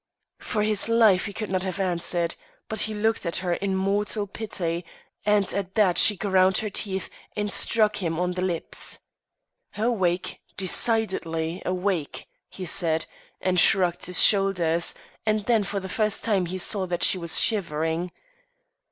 For his life he could not have answered: he but looked at her in mortal pity, and at that she ground her teeth and struck him on the lips. "Awake, decidedly awake!" he said, and shrugged his shoulders; and then for the first time he saw that she was shivering.